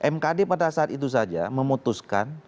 mkd pada saat itu saja memutuskan